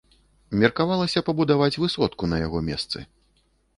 Меркавалася пабудаваць высотку на яго месцы.